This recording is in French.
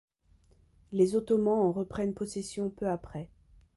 Les Ottomans en reprennent possession peu après.